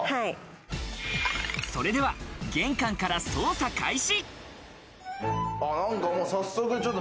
それでは玄関から捜査開始。